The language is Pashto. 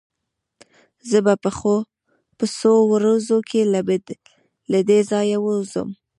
زه به په څو ورځو کې له دې ځايه ووځم.